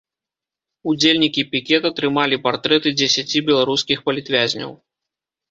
Удзельнікі пікета трымалі партрэты дзесяці беларускіх палітвязняў.